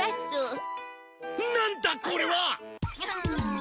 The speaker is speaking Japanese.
なんだこれは！